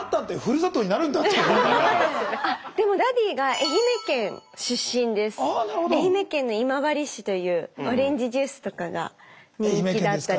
愛媛県の今治市というオレンジジュースとかが人気だったり。